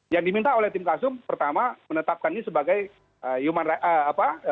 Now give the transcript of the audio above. yang diminta oleh tim kasum pertama menetapkan ini sebagai human right apa